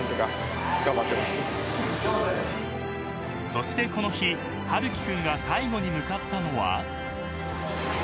［そしてこの日陽樹君が最後に向かったのは］